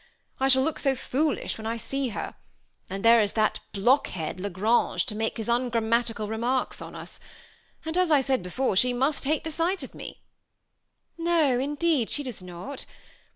I shall look so foolish when I see her ; and there is that blockhead, La Grange, to make his ongrammarical remarks on as ; and, as I said before, she mast hate the sight of me." " No, indeed, she does not